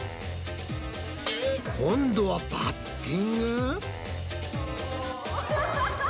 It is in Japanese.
今度はバッティング？